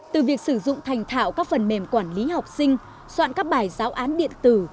từ việc sử dụng thành thạo các phần mềm quản lý học sinh soạn các bài giáo án điện tử